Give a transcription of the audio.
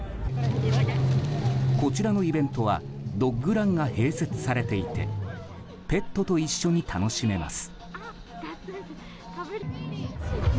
こちらのイベントはドッグランが併設されていてペットと一緒に楽しめます。